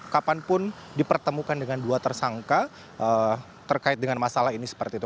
kapanpun dipertemukan dengan dua tersangka terkait dengan masalah ini seperti itu